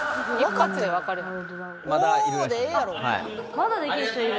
まだできる人いる？